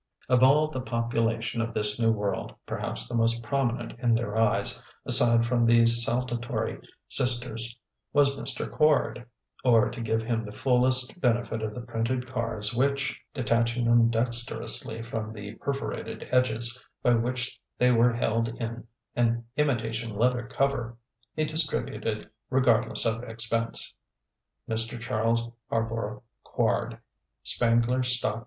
Of all the population of this new world, perhaps the most prominent in her eyes, aside from the saltatory sisters, was Mr. Quard; or, to give him the fullest benefit of the printed cards which (detaching them dexterously from the perforated edges by which they were held in an imitation leather cover) he distributed regardless of expense: Mr. Chas. Harborough Quard Spangler Stock Co.